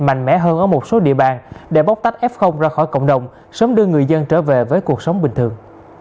mạnh mẽ hơn ở một số địa bàn để bóc tách f ra khỏi cộng đồng sớm đưa người dân trở về với cuộc sống bình thường